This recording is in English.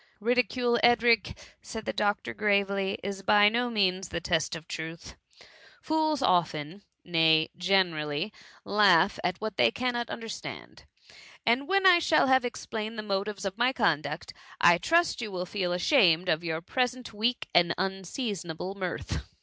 ''" Ridicule, Edric," said the doctor gravely, " is by no means the test of truth. Fools often. THS MUMMY. ITS — ^nay, generally, laugh at what they cannot un derstand, and when I shall have explained the motives of my conduct^ I trust you will feel ashamed of your present weak and unseasonable mirth.